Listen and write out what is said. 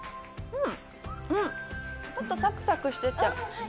ちょっとサクサクしてて。